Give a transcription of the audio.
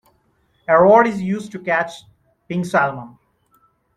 A rod is used to catch pink salmon.